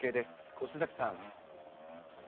越崎さん。